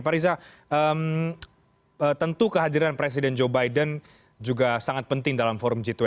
pak riza tentu kehadiran presiden joe biden juga sangat penting dalam forum g dua puluh